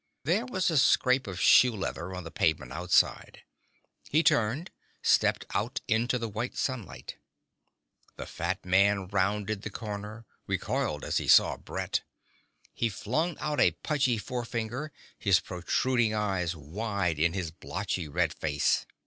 There was a scrape of shoe leather on the pavement outside. He turned, stepped out into the white sunlight. The fat man rounded the corner, recoiled as he saw Brett. He flung out a pudgy forefinger, his protruding eyes wide in his blotchy red face.